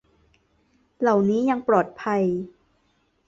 เหล่านี้ยังปลอดภัย